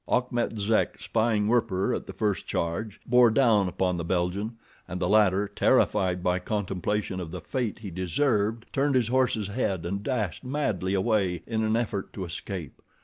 Achmet Zek, spying Werper at the first charge, bore down upon the Belgian, and the latter, terrified by contemplation of the fate he deserved, turned his horse's head and dashed madly away in an effort to escape.